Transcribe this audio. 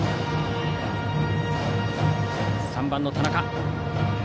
３番、田中。